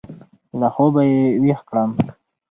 له خوابه يې وېښ کړم.